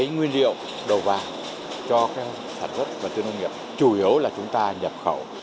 nguyên liệu đầu vào cho sản xuất và tư nông nghiệp chủ yếu là chúng ta nhập khẩu